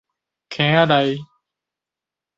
坑仔內